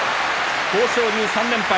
豊昇龍３連敗。